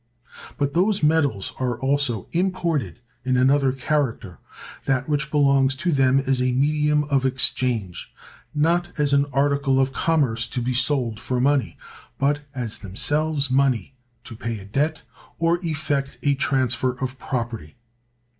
But those metals are also imported in another character, that which belongs to them as a medium of exchange; not as an article of commerce, to be sold for money, but as themselves money, to pay a debt, or effect a transfer of property.